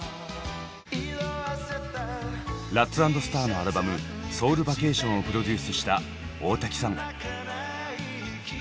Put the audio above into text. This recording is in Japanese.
ラッツ＆スターのアルバム「ＳＯＵＬＶＡＣＡＴＩＯＮ」をプロデュースした大滝さん。